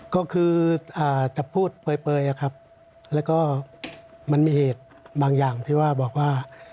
ก็คือจะพูดเปลยครับแล้วก็มันมีเหตุบางอย่างที่ว่าบอกว่า